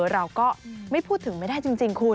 เราก็ไม่พูดถึงไม่ได้จริงคุณ